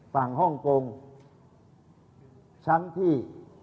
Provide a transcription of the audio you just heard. ฝั่งฮ่องกงชั้นที่๑๖